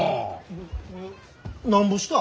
ななんぼした？